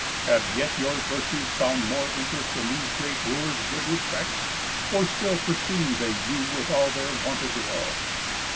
Have yet your virtues found more interest In these great Wooers' good respects? Or still Pursue they you with all their wonted ill?"